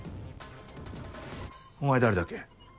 お前誰だっけ？